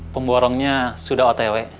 pemborongnya sudah otw